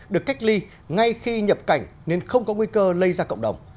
được cách ly ngay khi nhập cảnh nên không có nguy cơ lây ra cộng đồng